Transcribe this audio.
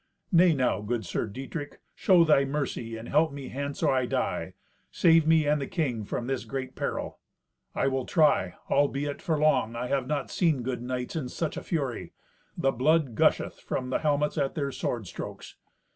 "Nay now, good Sir Dietrich, show thy mercy, and help me hence or I die. Save me and the king from this great peril." "I will try. Albeit, for long, I have not seen good knights in such a fury. The blood gusheth from the helmets at their sword strokes."